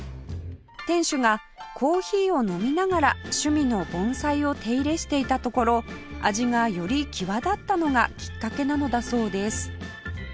店主がコーヒーを飲みながら趣味の盆栽を手入れしていたところ味がより際立ったのがきっかけなのだそうです